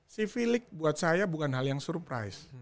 si v lig buat saya bukan hal yang surprise